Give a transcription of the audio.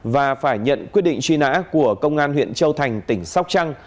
và phải nhận quyết định truy nã của công an huyện châu thành tỉnh sóc trăng